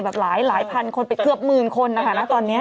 แบบหลายพันคนไปเกือบหมื่นคนนะคะณตอนนี้